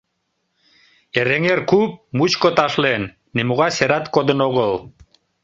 Эреҥер куп мучко ташлен, нимогай серат кодын огыл.